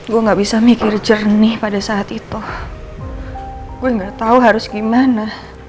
gua nggak bisa mikir jernih pada saat itu gue nggak tahu harus gimana